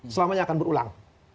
selamanya akan berulang